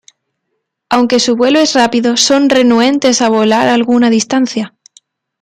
Aunque su vuelo es rápido, son renuentes a volar alguna distancia.